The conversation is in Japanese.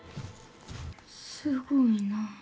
すごいなあ。